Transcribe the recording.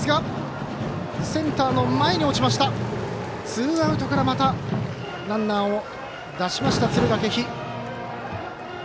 ツーアウトからまたランナーを出しました敦賀気比。